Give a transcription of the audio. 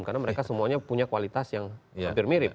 karena mereka semuanya punya kualitas yang hampir mirip